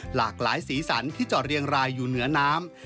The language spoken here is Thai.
หลากหลายสีสันที่จอดเรียงรายอยู่เหนือน้ำ